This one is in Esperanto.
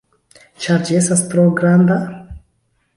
Ĉar ĝi estas tro granda?